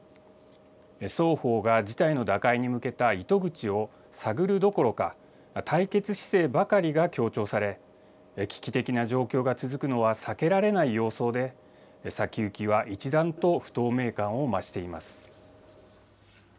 双方が事態の打開に向けた糸口を探るどころか、対決姿勢ばかりが強調され、危機的な状況が続くのは避けられない様相で、先行きは一段と不透明感を増しています。